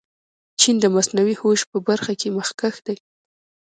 چین د مصنوعي هوش په برخه کې مخکښ دی.